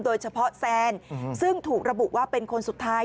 โดยเฉพาะแซนซึ่งถูกระบุว่าเป็นคนสุดท้าย